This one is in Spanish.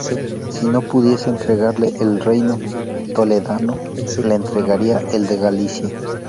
Si no pudiese entregarle el reino toledano, le entregaría el de Galicia.